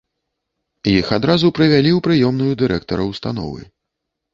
Іх адразу правялі ў прыёмную дырэктара ўстановы.